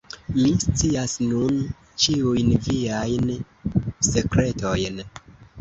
Mi scias nun ĉiujn viajn sekretojn.